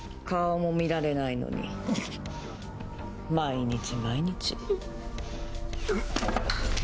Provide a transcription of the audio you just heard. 顔も見られないのに、毎日毎日。